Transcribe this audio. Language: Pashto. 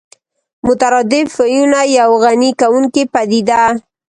مترادف ويونه يوه غني کوونکې پدیده